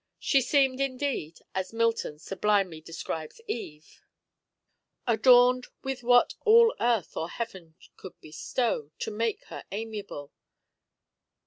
She seemed, indeed, as Milton sublimely describes Eve, Adorn'd With what all Earth or Heaven could bestow To make her amiable.